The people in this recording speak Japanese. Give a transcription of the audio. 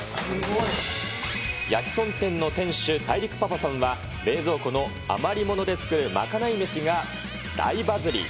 やきとん店の店主、大陸パパさんは、冷蔵庫の余り物で作るまかない飯が大バズり。